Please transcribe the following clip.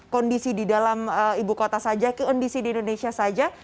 kondisi di dalam ibu kota saja ke kondisi di indonesia saja